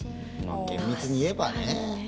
厳密に言えばね。